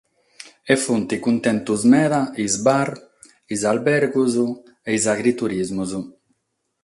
E sunt cuntentos meda sos bar, sos albergos e sos agriturismos.